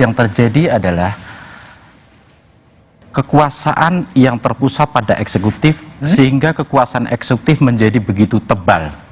yang terjadi adalah kekuasaan yang terpusat pada eksekutif sehingga kekuasaan eksekutif menjadi begitu tebal